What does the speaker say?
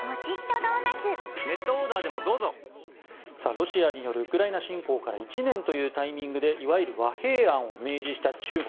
ロシアによるウクライナ侵攻から１年というタイミングでいわゆる和平案を明示した中国。